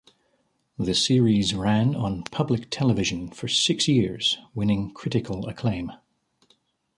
The series ran on Public Television for six years, winning critical acclaim.